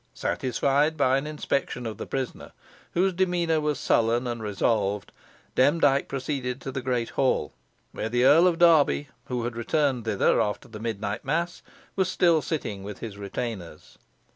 Satisfied by an inspection of the prisoner, whose demeanour was sullen and resolved, Demdike proceeded to the great hall, where the Earl of Derby, who had returned thither after the midnight mass, was still sitting with his retainers.